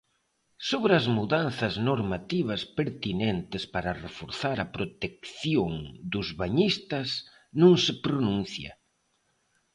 Sobre as mudanzas normativas pertinentes para reforzar a protección dos bañistas non se pronuncia.